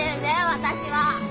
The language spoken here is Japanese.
私は。